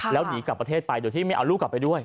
แล้วหนีกลับประเทศไปโดยที่ไม่เอาลูกกลับไปด้วย